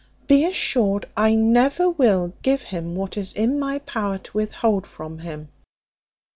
Be assured I never will give him what is in my power to withhold from him."